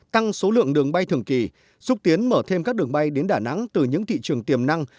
tăng số lượng đường bay thường kỳ xúc tiến mở thêm các đường bay đến đà nẵng từ những thị trường tiềm năng